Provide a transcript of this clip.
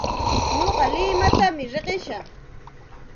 Nuqa limatam riqishaq.